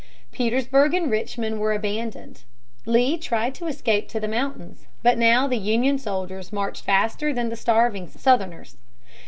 Petersburg and Richmond were abandoned. Lee tried to escape to the mountains. But now the Union soldiers marched faster than the starving Southerners.